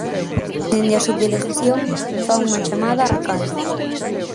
Dende a Subdelegación fan unha chamada á calma.